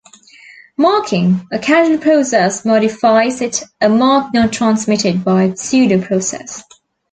"Marking" a causal process modifies it, a mark not transmitted by a pseudo process.